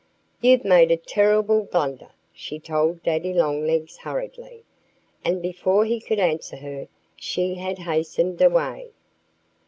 "You've made a terrible blunder!" she told Daddy Longlegs hurriedly. And before he could answer her she had hastened away.